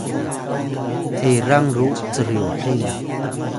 erang ru cryuhing